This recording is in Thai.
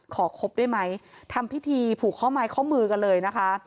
ครบได้ไหมทำพิธีผูกข้อไม้ข้อมือกันเลยนะคะ